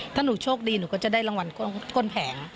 ถ้าหนูโชคดีหนูก็จะได้รางวัลก้นแผง